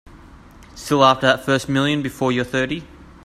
Still after that first million before you're thirty.